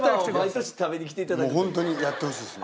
ホントにやってほしいですね。